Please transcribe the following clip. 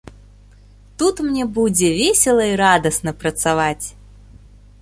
Тут мне будзе весела і радасна працаваць.